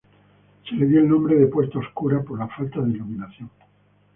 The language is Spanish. Se le dio el nombre de Puerta Oscura por la falta de iluminación.